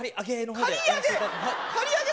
刈り上げ？